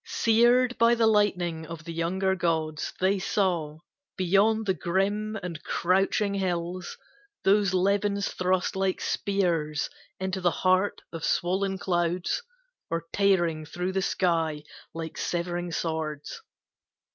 Seared by the lightning of the younger gods, They saw, beyond the grim and crouching hills, Those levins thrust like spears into the heart Of swollen clouds, or tearing through the sky Like severing swords.